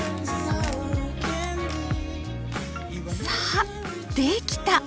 さあできた！